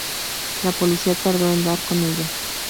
La policía tardó en dar con ella.